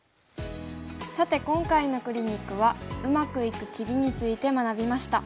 さて今回のクリニックはうまくいく切りについて学びました。